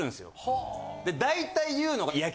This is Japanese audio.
大体言うのが。